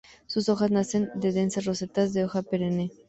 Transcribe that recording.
Sus hojas nacen en densas rosetas de hoja perenne.